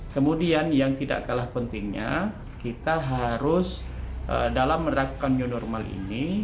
kemudian yang tidak kalah pentingnya kita harus dalam menerapkan new normal ini